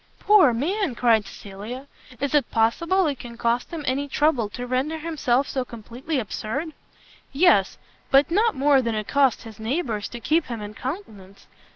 "Poor man!" cried Cecilia, "is it possible it can cost him any trouble to render himself so completely absurd?" "Yes; but not more than it costs his neighbours to keep him in countenance.